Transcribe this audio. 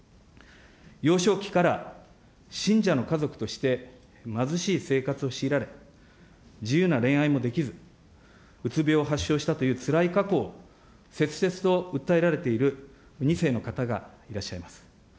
幼少期から信者の家族として貧しい生活を強いられ、自由な恋愛もできず、うつ病を発症したというつらい過去を切々と訴えられている２世の方がいらっしゃいます。